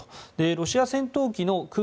ロシア戦闘機の空